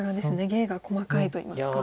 芸が細かいといいますか。